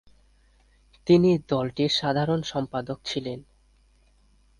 তিনি দলটির সাধারণ সম্পাদক ছিলেন।